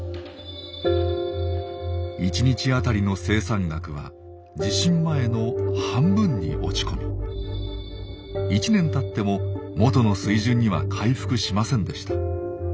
１日当たりの生産額は地震前の半分に落ち込み１年たっても元の水準には回復しませんでした。